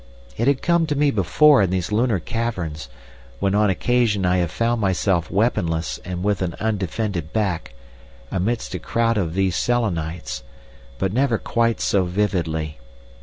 It had come to me before in these lunar caverns, when on occasion I have found myself weaponless and with an undefended back, amidst a crowd of these Selenites, but never quite so vividly.